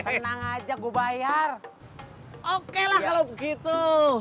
tenang aja gue bayar oke lah kalau begitu